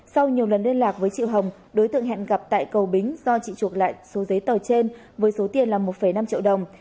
sau nhiều lần liên lạc với chị hồng đối tượng hẹn gặp tại cầu bính do chị chuộc lại số giấy tờ trên với số tiền là một năm triệu đồng